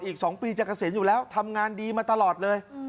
อีก๒ปีจะเกษียณอยู่แล้วทำงานดีมาตลอดเลย